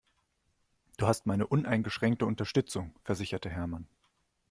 Du hast meine uneingeschränkte Unterstützung, versicherte Hermann.